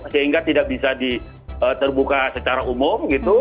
sehingga tidak bisa terbuka secara umum gitu